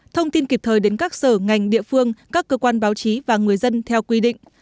thông tin kịp thời đến các sở ngành địa phương các cơ quan báo chí và người dân theo quy định